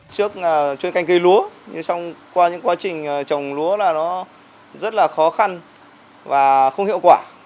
trước chuyên canh cây lúa qua những quá trình trồng lúa là nó rất là khó khăn và không hiệu quả